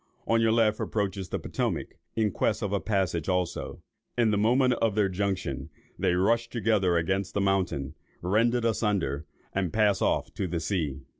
On your left approaches the Potomac, in quest of a passage also; in the moment of their junction, they rush together against the mountain, rend it asunder, and pass off to the sea.